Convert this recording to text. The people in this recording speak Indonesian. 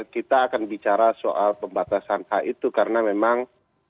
kita akan bicara soal pembatasan hak itu karena memang